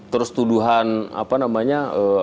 terus tuduhan apa namanya